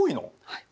はい。